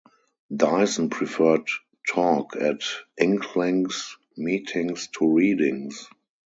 Dyson preferred talk at Inklings meetings to readings.